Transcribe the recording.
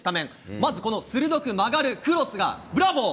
まず、この鋭く曲がるクロスがブラボー。